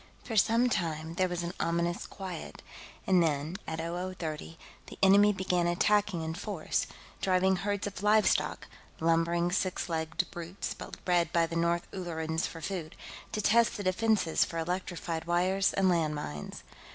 For some time, there was an ominous quiet, and then, at 0030, the enemy began attacking in force, driving herds of livestock lumbering six legged brutes bred by the North Ullerans for food to test the defenses for electrified wire and land mines.